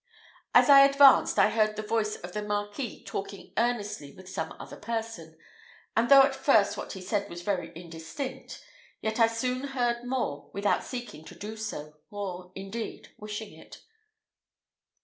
As I advanced, I heard the voice of the Marquis talking earnestly with some other person; and though at first what he said was very indistinct, yet I soon heard more without seeking to do so, or, indeed, wishing it.